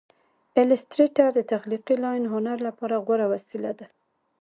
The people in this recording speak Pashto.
ایلیسټریټر د تخلیقي لاین هنر لپاره غوره وسیله ده.